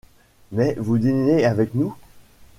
Mais vous dînez avec nous ?